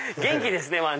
元気ですね